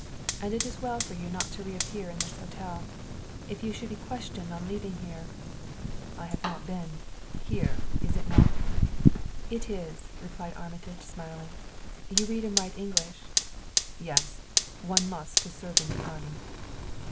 "And it is well for you not to reappear in this hotel. If you should be questioned on leaving here " "I have not been, here is it not?" "It is," replied Armitage, smiling. "You read and write English?" "Yes; one must, to serve in the army."